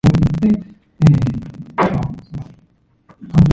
At the time Vain became the richest money earning two year old in Australia.